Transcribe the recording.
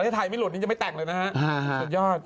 ตอนที่ถ่ายไม่หลุดยังจะไม่แต่งเลยนะครับ